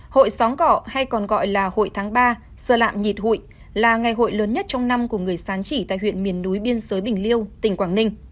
hội sóng cọ hay còn gọi là hội tháng ba sơ lạm nhịt hụi là ngày hội lớn nhất trong năm của người sán chỉ tại huyện miền núi biên sới bình liêu tỉnh quảng ninh